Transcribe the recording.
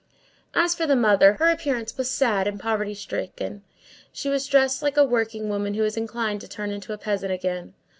As for the mother, her appearance was sad and poverty stricken. She was dressed like a working woman who is inclined to turn into a peasant again.